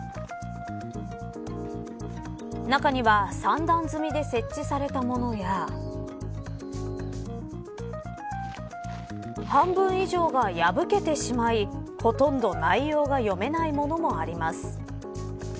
中には３段積みで設置されたものや半分以上が破けてしまいほとんど内容が読めないものもあります。